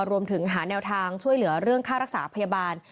รวมถึงหาแนวทางช่วยเหลือเรื่องค่ารักษาพยาบาล